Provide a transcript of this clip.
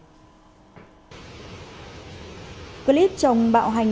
các bạn có thể nhớ like share và đăng ký kênh để ủng hộ kênh của mình nhé